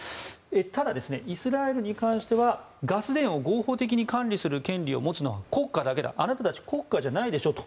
ただ、イスラエルに関してはガス田を合法的に管理する権利を持つのは国家だけだ、あなたたち国家じゃないでしょと